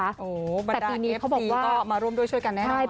โอ้บรรดาเอฟซีก็มาร่วมด้วยช่วยกันแน่นอน